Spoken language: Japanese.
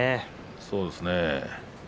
そうですね。